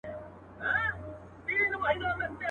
د طوطي له خولې خبري نه وتلې.